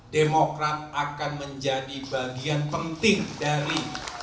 demokrat akan menjadi bagian penting dari